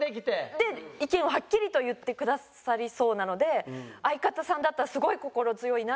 で意見をはっきりと言ってくださりそうなので相方さんだったらすごい心強いなっていう。